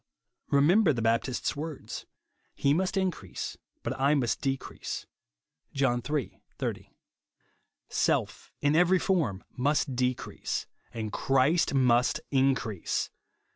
Eemember the Baptist's words, "He must increase, but I must decrease," (John iii. 80). Self, in every form, must decrease, and Christ must increase.